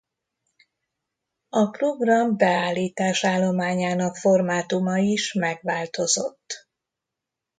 A program beállítás-állományának formátuma is megváltozott.